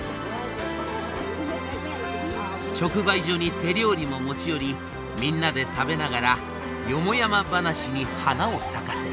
直売所に手料理も持ち寄りみんなで食べながらよもやま話に花を咲かせる。